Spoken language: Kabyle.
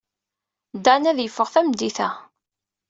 Dan ad yeffeɣ tameddit-a.